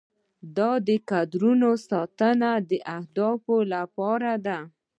دا د کادرونو ساتنه د اهدافو لپاره ده.